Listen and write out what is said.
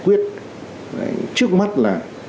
quyết trước mắt là